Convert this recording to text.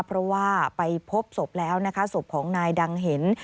เพราะว่าไปพบศพแล้วนะคะศพของนายดังเห็น